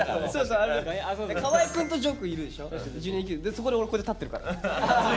そこで俺こうやって立ってるから。